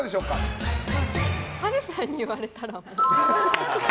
波瑠さんに言われたら。